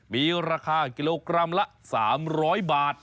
มีราคากิโลกรัมละ๓๐๐บาท